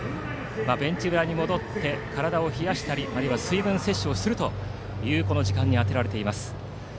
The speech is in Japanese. ベンチ裏に戻って体を冷やしたりあるいは水分摂取をする時間に充てられます。